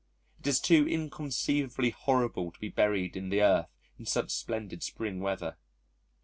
It is too inconceivably horrible to be buried in the Earth in such splendid spring weather.